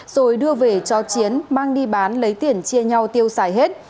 rồi đưa về cho chiến mang đi bán lấy tiền chia nhau tiêu xài hết